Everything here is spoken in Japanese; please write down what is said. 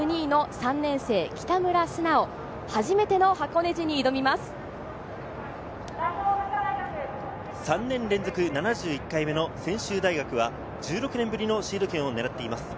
３年連続７１回目の専修大学は１６年ぶりのシード権をねらっています。